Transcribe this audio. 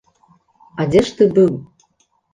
А дзе ж ты быў?